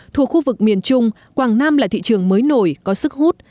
thuộc khu vực miền trung quảng nam là thị trường mới nổi có sức hút